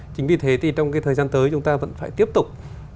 chính vì thế thì trong cái thời gian tới chúng ta vẫn phải tiếp tục